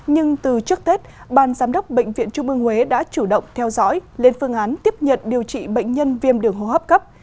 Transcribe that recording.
nhưng từ trước tết ban giám đốc bệnh viện trung ương huế đã chủ động theo dõi lên phương án tiếp nhận điều trị bệnh nhân viêm đường hô hấp cấp